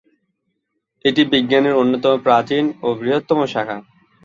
এটি বিজ্ঞানের অন্যতম প্রাচীন ও বৃহত্তম শাখা।